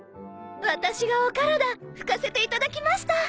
私がお体拭かせていただきました。